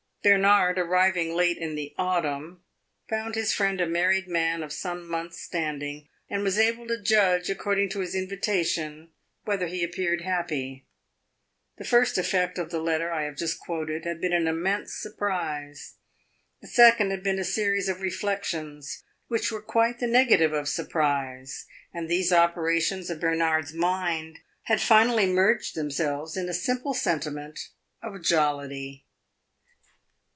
Bernard, arriving late in the autumn, found his friend a married man of some months' standing, and was able to judge, according to his invitation, whether he appeared happy. The first effect of the letter I have just quoted had been an immense surprise; the second had been a series of reflections which were quite the negative of surprise; and these operations of Bernard's mind had finally merged themselves in a simple sentiment of jollity.